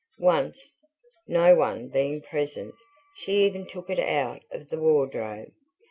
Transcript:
Once, no one being present, she even took it out of the wardrobe.